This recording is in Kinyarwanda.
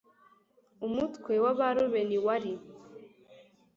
umutware w Abarubeni wari